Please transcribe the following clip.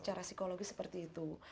cara psikologi seperti itu